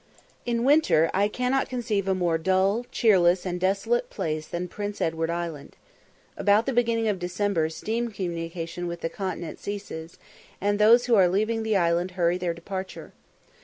In winter, I cannot conceive a more dull, cheerless, and desolate place than Prince Edward Island. About the beginning of December steam communication with the continent ceases, and those who are leaving the island hurry their departure.